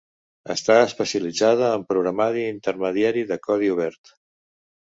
Està especialitzada en programari intermediari de codi obert.